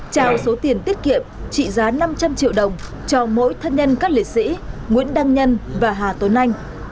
trao số tiền tiết kiệm trị giá năm trăm linh triệu đồng cho mỗi thân nhân các liệt sĩ nguyễn đăng nhân và hà tuấn anh